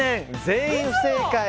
全員不正解。